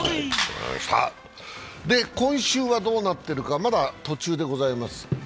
今週はどうなっているかまだ途中でございます。